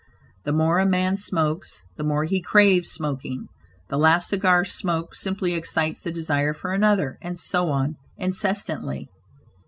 The more a man smokes, the more he craves smoking; the last cigar smoked simply excites the desire for another, and so on incessantly.